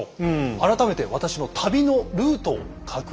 改めて私の旅のルートを確認していきましょう。